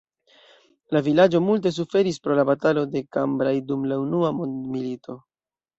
La vilaĝo multe suferis pro la batalo de Cambrai dum la Unua mondmilito.